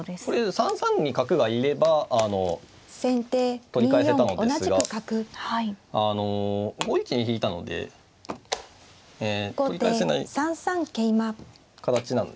３三に角がいれば取り返せたのですが５一に引いたので取り返せない形なんですね。